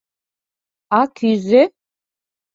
А кӱзӧ?